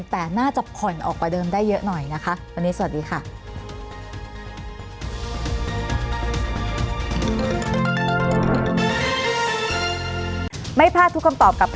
แต่น่าจะผ่อนออกกว่าเดิมได้เยอะหน่อยนะคะ